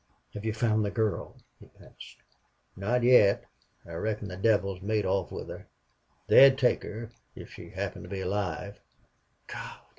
"Have you found the girl?" he asked. "Not yet. I reckon the devils made off with her. They'd take her, if she happened to be alive."